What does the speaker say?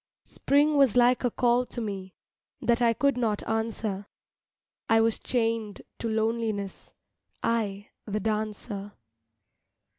Spring was like a call to me That I could not answer, I was chained to loneliness, I, the dancer.